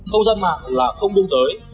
không dân mạng là không đương giới